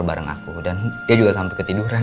bareng aku dan dia juga sampai ketiduran